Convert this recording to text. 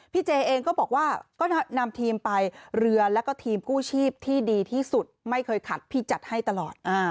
เจเองก็บอกว่าก็นำทีมไปเรือแล้วก็ทีมกู้ชีพที่ดีที่สุดไม่เคยขัดพี่จัดให้ตลอด